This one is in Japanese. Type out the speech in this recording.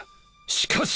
しかし！